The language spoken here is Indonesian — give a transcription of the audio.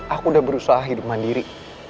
aku udah berusaha hidup mandiri